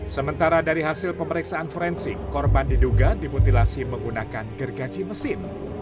sementara dari hasil pemeriksaan forensik korban diduga dimutilasi menggunakan gergaji mesin